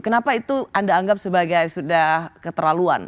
kenapa itu anda anggap sebagai sudah keterlaluan